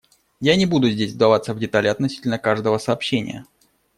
Я не буду здесь вдаваться в детали относительно каждого сообщения.